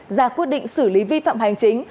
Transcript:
ra quyết định xử lý vi phạm hành chính